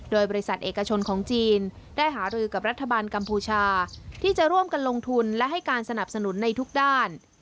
โดยบริษัทเอกชนของจีนได้หารือกับรัฐบาลกัมพูชาที่จะร่วมกันลงทุนและให้การสนับสนุนในทุกด้าน